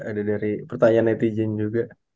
ada dari pertanyaan netizen juga